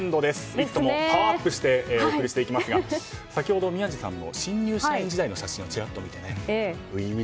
「イット！」もパワーアップしてお送りしていきますが先ほど、宮司さんの新入社員時代の写真をちらっと見て。